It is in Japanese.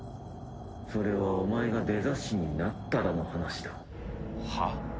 それはお前がデザ神になったらの話だ。はあ？